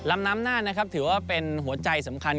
ลำน้ำหน้าถือว่าเป็นหัวใจสำคัญ